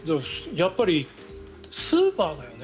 やっぱりスーパーだよね。